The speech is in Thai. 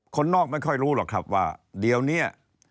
คนนอกไม่ค่อยรู้หรอกครับว่าเดี๋ยวนี้